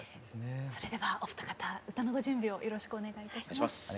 それではお二方歌のご準備をよろしくお願いいたします。